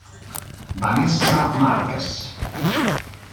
Vanessa Marques